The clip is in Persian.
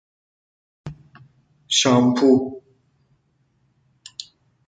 شامپو